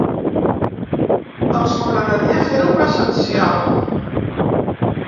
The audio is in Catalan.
Doncs m'agradaria fer-ho presencial.